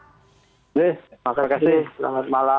terima kasih selamat malam